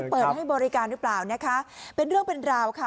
เปิดให้บริการหรือเปล่านะคะเป็นเรื่องเป็นราวค่ะ